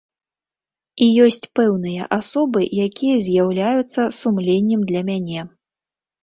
І ёсць пэўныя асобы, якія з'яўляюцца сумленнем для мяне.